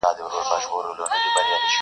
پر کنړ او کندهار یې پنجاب ګرځي!.